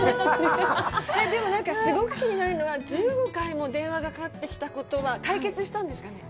でも、何かすごく気になるのは、１５回も電話がかかってきたことは解決したんですかね？